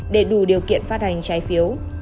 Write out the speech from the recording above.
để đủ điều kiện phát hành trái phiếu